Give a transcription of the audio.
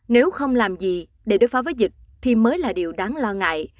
nếu không làm gì để đối phó với dịch thì mới là điều đáng lo ngại